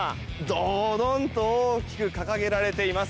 ドドンと大きく掲げられています。